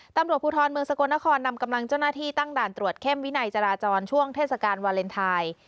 ตำรวจภูทรเมืองสกลนครนำกำลังเจ้าหน้าที่ตั้งด่านตรวจเข้มวินัยจราจรช่วงเทศกาลวาเลนไทย